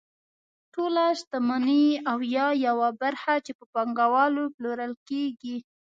ټوله شتمني او یا یوه برخه په پانګوالو پلورل کیږي.